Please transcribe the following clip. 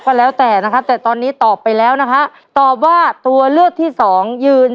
ก็แล้วแต่นะครับแต่ตอนนี้ตอบไปแล้วนะฮะตอบว่าตัวเลือกที่สองยืน